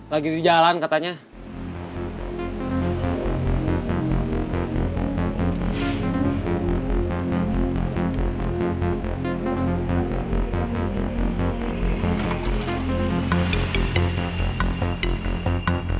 lagi di jalan katanya